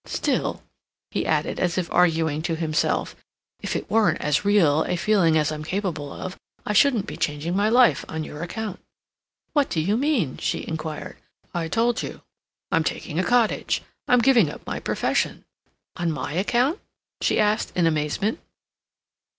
Still," he added, as if arguing to himself, "if it weren't as real a feeling as I'm capable of, I shouldn't be changing my life on your account." "What do you mean?" she inquired. "I told you. I'm taking a cottage. I'm giving up my profession." "On my account?" she asked, in amazement.